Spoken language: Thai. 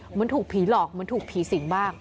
เหมือนถูกผีหลอกเหมือนถูกผีสิงบ้าง